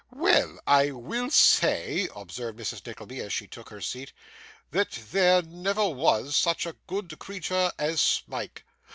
'Well, I will say,' observed Mrs. Nickleby, as she took her seat, 'that there never was such a good creature as Smike.